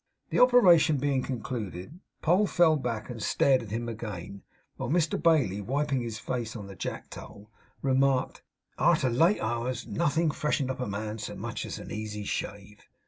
The operation being concluded, Poll fell back and stared at him again, while Mr Bailey, wiping his face on the jack towel, remarked, 'that arter late hours nothing freshened up a man so much as a easy shave.